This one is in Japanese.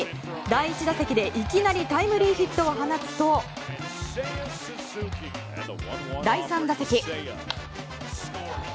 第１打席でいきなりタイムリーヒットを放つと第３打席。